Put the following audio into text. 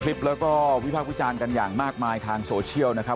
คลิปแล้วก็วิพากษ์วิจารณ์กันอย่างมากมายทางโซเชียลนะครับ